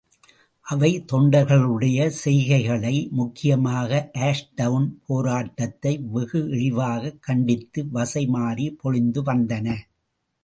அவை தொண்டர்களுடைய செய்கைகளை, முக்கியமாக ஆஷ்டவுன் போராட்டத்தை வெகு இழிவாகக் கண்டித்து வசை மாரி பொழிந்துவந்தன.